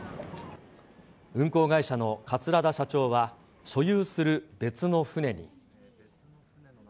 運航会社の桂田社長は、所有する別の船に。